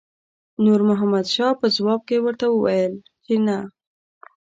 نور محمد شاه په ځواب کې ورته وویل چې نه.